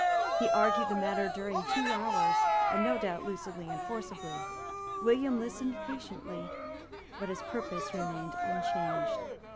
He argued the matter during two hours, and no doubt lucidly and forcibly. William listened patiently; but his purpose remained unchanged.